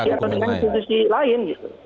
atau dengan institusi lain